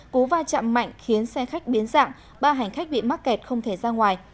cú vai trạm mạnh khiến xe khách biến dạng ba hành khách bị mắc kẹt không thể ra ngoài